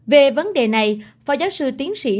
về vấn đề này phó giáo sư tiến sĩ